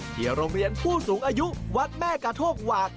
ที่โรงเรียนผู้สูงอายุวัดแม่กระโทกหวาก